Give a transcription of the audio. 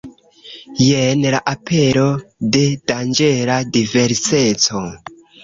Jen la apero de danĝera diverseco.